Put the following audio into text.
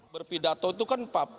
berpidato itu kan prabowo